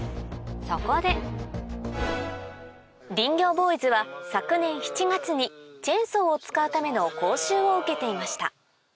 そこで林業ボーイズは昨年７月にチェーンソーを使うための講習を受けていました